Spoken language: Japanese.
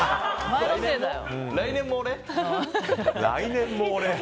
来年も俺？